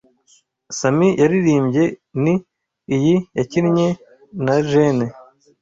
Sami yaririmbye ni iyi yakinnye na Gene